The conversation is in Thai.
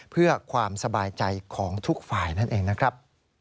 เพื่อความสบายใจของทุกฝ่ายนั่นเองนะครับ